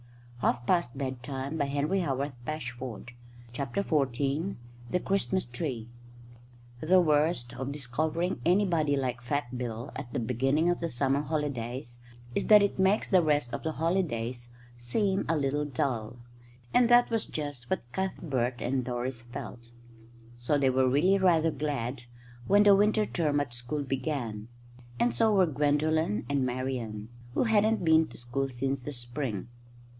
THE CHRISTMAS TREE [Illustration: Still Talking] XIV THE CHRISTMAS TREE The worst of discovering anybody like Fat Bill at the very beginning of the summer holidays is that it makes the rest of the holidays seem a little dull; and that was just what Cuthbert and Doris felt. So they were really rather glad when the winter term at school began; and so were Gwendolen and Marian, who hadn't been to school since the spring.